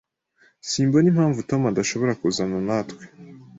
Simbona impamvu Tom adashobora kuzana natwe.